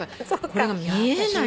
これが見えない。